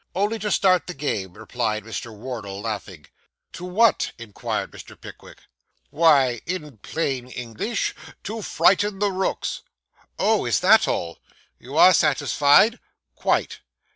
'Only to start the game,' replied Mr. Wardle, laughing. 'To what?' inquired Mr. Pickwick. 'Why, in plain English, to frighten the rooks.' 'Oh, is that all?' 'You are satisfied?' 'Quite.